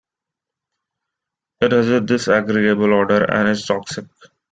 It has a disagreeable odor and is toxic.